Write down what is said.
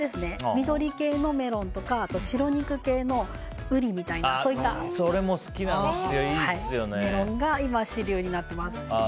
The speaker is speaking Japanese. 緑系のメロンとか白肉系のウリみたいなそういったメロンが今、主流になっています。